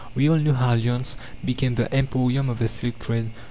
We all know how Lyons became the emporium of the silk trade.